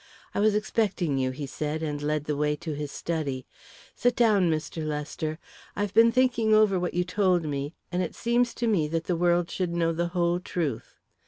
"I was expecting you," he said, and led the way to his study. "Sit down, Mr. Lester. I've been thinking over what you told me, and it seems to me that the world should know the whole truth."